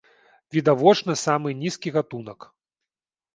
Відавочна, самы нізкі гатунак.